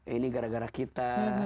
ini gara gara kita